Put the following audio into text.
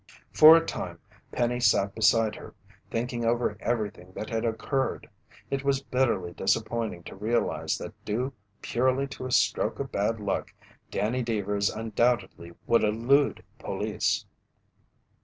For a time, Penny sat beside her, thinking over everything that had occurred. It was bitterly disappointing to realize that due purely to a stroke of bad luck, Danny Deevers undoubtedly would elude police.